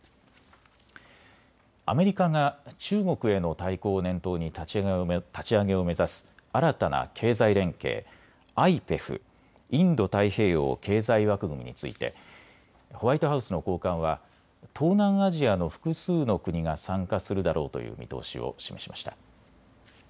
アメリカが中国への対抗を念頭に立ち上げを目指す新たな経済連携、ＩＰＥＦ・インド太平洋経済枠組みについてホワイトハウスの高官は東南アジアの複数の国が参加するだろうという見通しを示しました。